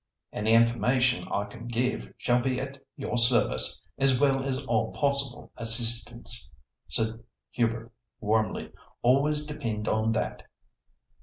"Any information I can give shall be at your service, as well as all possible assistance," said Hubert, warmly. "Always depend upon that.